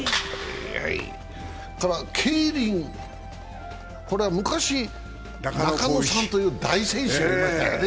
ただ、ケイリン、これは昔、中野さんという大選手がいましたよね。